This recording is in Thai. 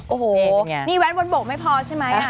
โอ้โหนี่แว้นบนบกไม่พอใช่ไหม